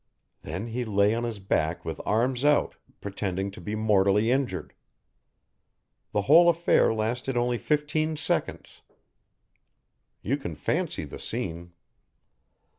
Then he lay on his back with arms out, pretending to be mortally injured. The whole affair lasted only fifteen seconds. You can fancy the scene.